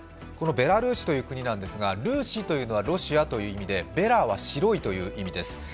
このベラルーシという国ですが、ルーシというのはロシアという意味でベラは白いという意味です。